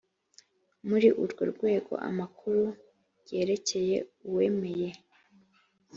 muri urwo rwego amakuru yerekeye uwemeye